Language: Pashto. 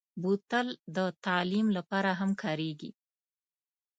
بوتل د تعلیم لپاره هم کارېږي.